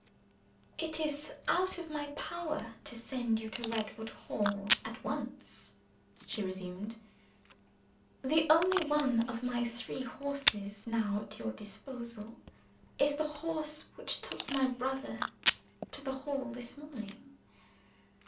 "It is out of my power to send you to Redwood Hall at once," she resumed. "The only one of my three horses now at your disposal is the horse which took my brother to the Hall this morning.